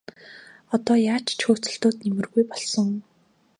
Одоо яаж ч хөөцөлдөөд нэмэргүй болсон.